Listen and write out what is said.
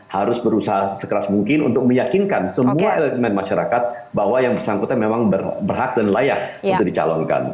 harus berusaha sekeras mungkin untuk meyakinkan semua elemen masyarakat bahwa yang bersangkutan memang berhak dan layak untuk dicalonkan